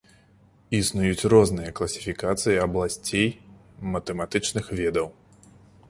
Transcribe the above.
Існуюць розныя класіфікацыі абласцей матэматычных ведаў.